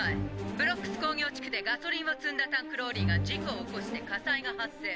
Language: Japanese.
ブロックス工業地区でガソリンを積んだタンクローリーが事故を起こして火災が発生。